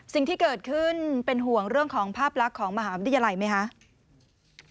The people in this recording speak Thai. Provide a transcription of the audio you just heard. สิ่งที่เกิดขึ้นเป็นห่วงเรื่องของภาพลักษณ์ของมหาวิทยาลัยไหมคะ